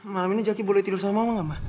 malam ini jaki boleh tidur sama mama gak mah